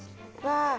わあ。